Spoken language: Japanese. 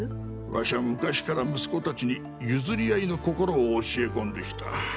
わしは昔から息子たちに譲り合いの心を教えこんできた。